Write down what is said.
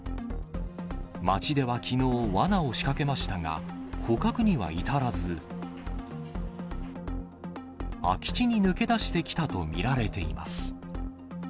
町ではきのう、わなを仕掛けましたが、捕獲には至らず、空き地に抜け出してきたと見られています。